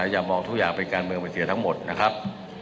อย่ามองทุกอย่างเป็นการเมืองเป็นเสียทั้งหมดนะครับ